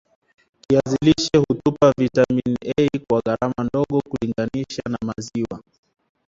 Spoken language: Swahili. kiazi lishe hutupa vitamini A kwa gharama ndogo kulinganisha maziwa